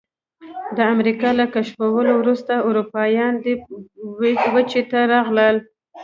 د امریکا له کشفولو وروسته اروپایان دې وچې ته راغلل.